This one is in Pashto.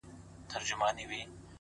o د ژوند په څو لارو كي،